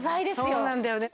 そうなんだよね。